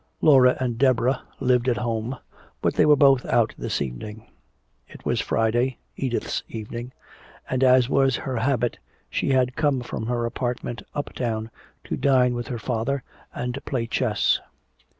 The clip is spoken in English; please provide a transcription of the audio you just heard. Laura and Deborah lived at home, but they were both out this evening. It was Friday, Edith's evening, and as was her habit she had come from her apartment uptown to dine with her father and play chess.